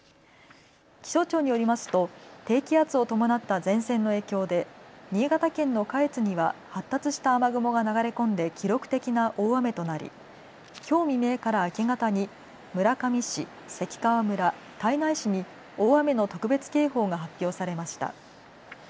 気象庁によりますと低気圧を伴った前線の影響で新潟県の下越には発達した雨雲が流れ込んで記録的な大雨となりきょう未明から明け方に村上市、関川村、胎内市に大雨の特別警報が発表されました。